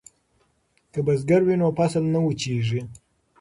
که بزګر وي نو فصل نه وچیږي.